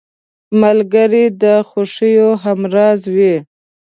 ملګری د خوښیو همراز وي